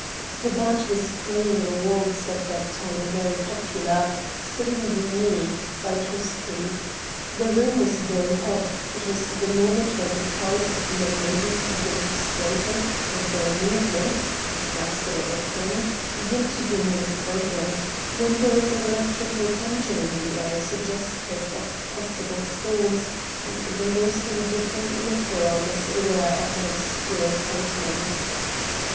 The band was playing a waltz at that time very popular: "Stringi mi," by Tosti. The room was very hot; it was the moment when the curls of the young ladies begin to straighten, and their movements at first a little prim begin to gain in freedom; when there is an electrical tension in the air suggestive of possible storms and the most indifferent looker on is aware of an obscure excitement.